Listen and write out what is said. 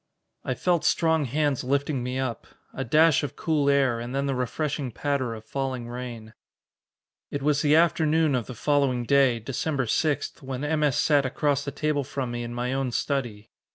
I felt strong hands lifting me up. A dash of cool air, and then the refreshing patter of falling rain. It was the afternoon of the following day, December 6, when M. S. sat across the table from me in my own study.